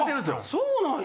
そうなんや！